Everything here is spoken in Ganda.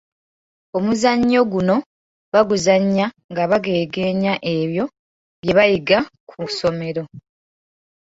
Omuzannyo guno baguzannya nga bageegeenya ebyo bye bayiga ku ssomero.